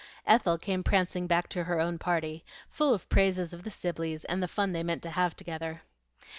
Ethel came prancing back to her own party, full of praises of the Sibleys, and the fun they meant to have together.